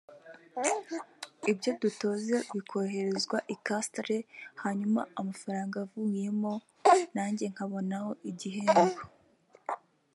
ibyo tudoze bikoherezwa i Castre hanyuma amafaranga avuyemo nanjye nkabonaho igihembo